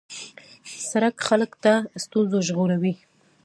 سړک خلک له ستونزو ژغوري.